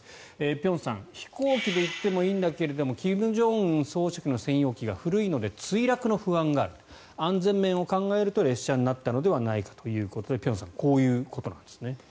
辺さん飛行機で行ってもいいんだけど金正恩総書記の専用機が古いので墜落の不安がある安全面を考えると列車になったのではないかということで辺さんこういうことなんですね。